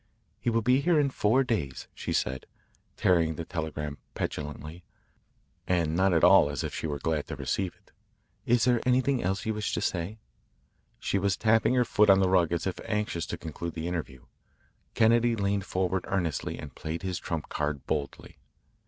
"He will be here in four days," she said, tearing the telegram petulantly, and not at all as if she were glad to receive it. "Is there anything else that you wish to say?" She was tapping her foot on the rug as if anxious to conclude the interview. Kennedy leaned forward earnestly and played his trump card boldly.